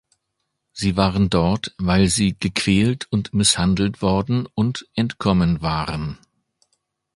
Sie waren dort, weil sie gequält und misshandelt worden und entkommen waren.